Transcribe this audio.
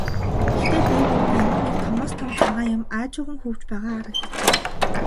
Гэхдээ дээгүүр нь ямар нэг томоос том цагаан юм аажуухан хөвж байгаа харагджээ.